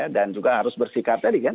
dan juga harus bersikap tadi kan